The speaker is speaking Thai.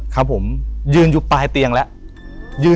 ครับผมยืนอยู่ปลายเตียงแล้ว